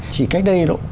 chỉ cách đây đâu